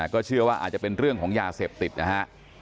ก็เชื่อว่าอาจจะเป็นเรื่องของยาเสพติดนะฮะ